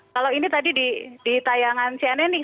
kalau ini tadi di tayangan cnn nih